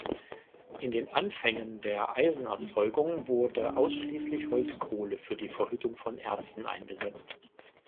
In den Anfängen der Eisenerzeugung wurde ausschließlich Holzkohle für die Verhüttung von Erzen eingesetzt.